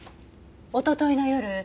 おとといの夜